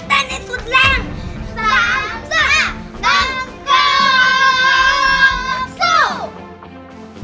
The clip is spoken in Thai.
สู้